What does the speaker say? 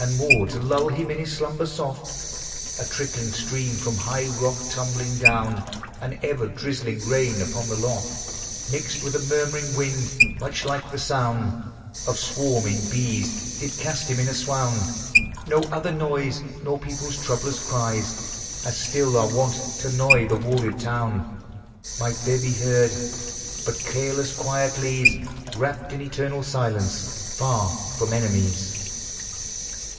And, more to lulle him in his slumber soft, A trickling streame from high rock tumbling downe, And ever drizling raine upon the loft, Mixt with a murmuring winde, much like the sowne Of swarming bees, did cast him in a swowne. No other noyse, nor peoples troublous cryes, As still are wont t' annoy the walled towne, Might there be heard ; but carelesse Quiet lyes Wrapt in eternall silence, farre from enimyes.